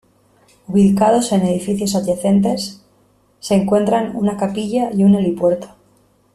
Ubicados en edificios adyacentes se encuentran una capilla y un helipuerto.